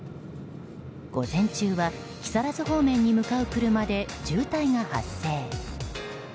午前中は木更津方面に向かう車で渋滞が発生。